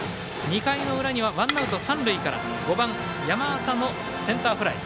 ２回の裏にはワンアウト、三塁から５番山浅のセンターフライ。